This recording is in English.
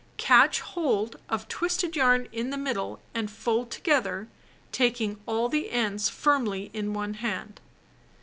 Catch hold of twisted yarn in the middle and fold together taking all the ends firmly in one hand.